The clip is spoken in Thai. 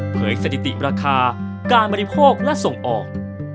ยสถิติราคาการบริโภคและส่งออก